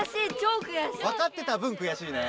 わかってた分くやしいね。